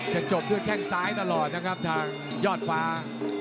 จะจบด้วยแข้งซ้ายตลอดนะครับทางยอดฟ้า